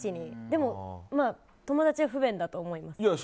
でも、友達は不便だと思います。